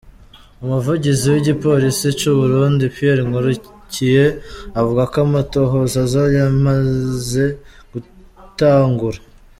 Umuvugizi w'igipolisi c'Uburundi Pierre Nkurikiye avuga ko amatohoza aza yamaze gutangura .